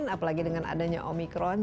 apalagi dengan adanya omikron